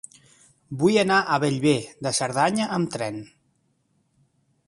Vull anar a Bellver de Cerdanya amb tren.